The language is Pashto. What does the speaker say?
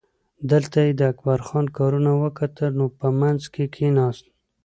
دلته یې د اکبرجان کارونه وکتل نو په منځ کې کیناست.